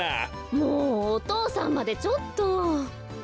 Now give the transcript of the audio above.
・もうお父さんまでちょっと。